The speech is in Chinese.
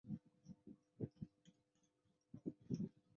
圣蒂兰人口变化图示